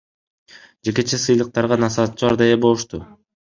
Жекече сыйлыктарга насаатчылар да ээ болушту.